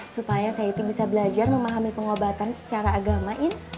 supaya saya itu bisa belajar memahami pengobatan secara agama